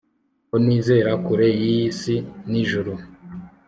Ko nizera kure yisi nijuru